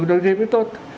đối với tôi